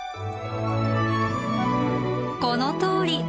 このとおり！